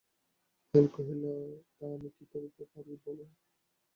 হেম কহিল, তা আমি কী করিতে পারি বলো।